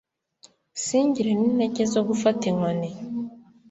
singire n'intege zo gufata inkoni